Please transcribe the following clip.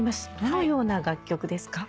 どのような楽曲ですか？